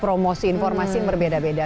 promosi informasi yang berbeda beda